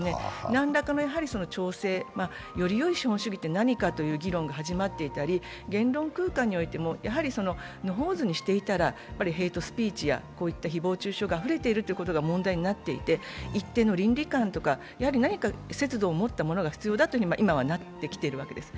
何らかの調整、よりよい資本主義って何かという議論が始まっていたり、言論風化にしてもやはり野放図にしていたらヘイトスピーチやこういった誹謗中傷があふれているということが問題になっていて一定の倫理観とか何か節度を持ったものが必要だと今はなってきているわけです。